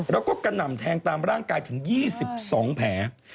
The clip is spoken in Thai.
แล้วก็กระหน่ำแทงตามร่างกายถึง๒๒แผล